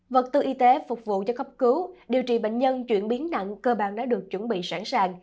vật tư y tế phục vụ cho cấp cứu điều trị bệnh nhân chuyển biến nặng cơ bản đã được chuẩn bị sẵn sàng